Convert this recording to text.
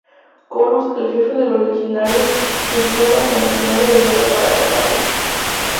Corus, el jefe de los legionarios, empleaba hasta maquinaria de guerra para atacarlos.